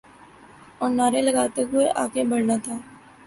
اورنعرے لگاتے ہوئے آگے بڑھنا تھا۔